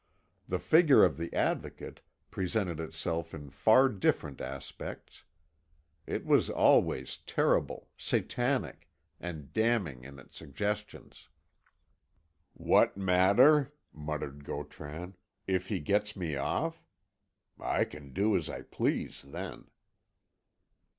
The figure of the Advocate presented itself in far different aspects; it was always terrible, Satanic, and damning in its suggestions. "What matter," muttered Gautran, "if he gets me off? I can do as I please then."